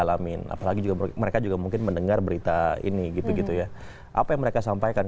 alamin apalagi juga mereka juga mungkin mendengar berita ini gitu gitu ya apa yang mereka sampaikan